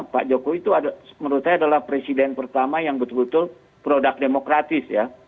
pak jokowi itu menurut saya adalah presiden pertama yang betul betul produk demokratis ya